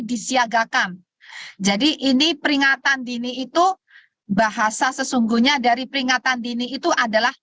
disiagakan jadi ini peringatan dini itu bahasa sesungguhnya dari peringatan dini itu adalah